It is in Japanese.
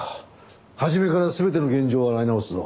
初めから全ての現場を洗い直すぞ。